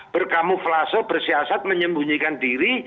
berkamuflase bersiasat menyembunyikan diri